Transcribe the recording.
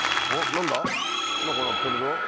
何か鳴ってるよ。